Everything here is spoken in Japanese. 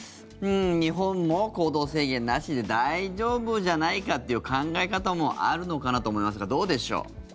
日本も行動制限なしで大丈夫じゃないかという考え方もあるのかなと思いますがどうでしょう。